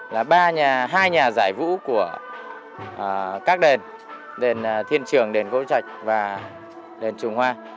là hai nhà giải vũ của các đền đền thiên trường đền vũ trạch và đền trùng hoa